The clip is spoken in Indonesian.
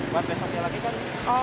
buat besarnya lagi kan